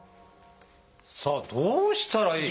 さあどうしたらいい？